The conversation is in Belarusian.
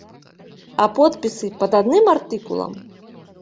А подпісы пад адным артыкулам?